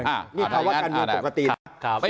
นี่เพราะว่าการงานปกติ